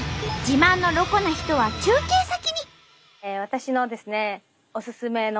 自慢のロコな人は中継先に。